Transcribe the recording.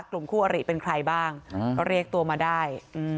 กลุ่มคู่อริเป็นใครบ้างก็เรียกตัวมาได้